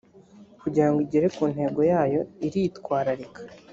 kugira ngo igere ku ntego yayo iritwararika